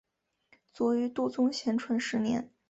卒于度宗咸淳十年。